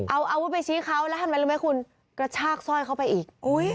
เอาอาวุธไปชี้เขาแล้วทำไมรู้ไหมคุณกระชากสร้อยเข้าไปอีก